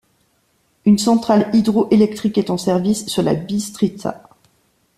Une centrale hydro-électrique est en service sur la Bistrița.